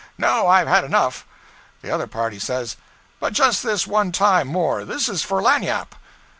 no, I've had enough;' the other party says, 'But just this one time more this is for lagniappe.'